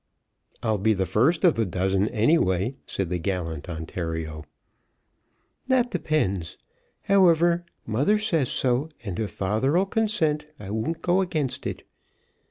"I'll be the first of the dozen any way," said the gallant Ontario. "That depends. However, mother says so, and if father 'll consent, I won't go against it.